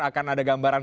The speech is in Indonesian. akan ada gambaran